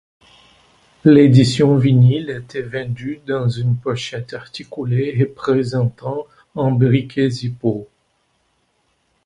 L'édition vinyle était vendue dans une pochette articulée représentant un briquet Zippo.